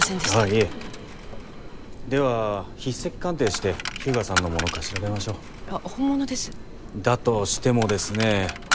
いえでは筆跡鑑定して日向さんのものか調べましょうあっ本物ですだとしてもですねえ